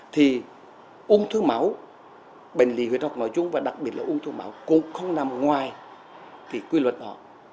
thì ung thư máu bệnh lý huyết học nói chung và đặc biệt là ung thư máu cũng không nằm ngoài cái quy luật đó